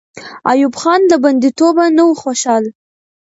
ایوب خان له بندي توبه نه وو خوشحاله.